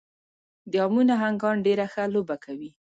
د امو نهنګان ډېره ښه لوبه کوي.